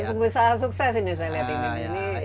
pengusaha sukses ini saya lihat ini